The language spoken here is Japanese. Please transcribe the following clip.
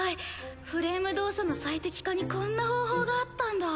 フレーム動作の最適化にこんな方法があったんだ。